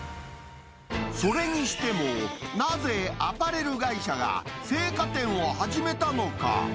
それにしても、なぜアパレル会社が青果店を始めたのか。